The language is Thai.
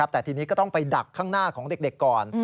แต่ทีนี้ก็ต้องไปดักข้างหน้าของเด็กก่อน